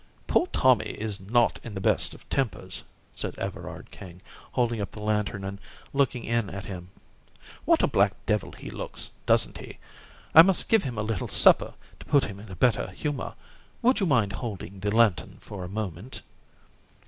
"Poor Tommy is not in the best of tempers," said Everard King, holding up the lantern and looking in at him. "What a black devil he looks, doesn't he? I must give him a little supper to put him in a better humour. Would you mind holding the lantern for a moment?"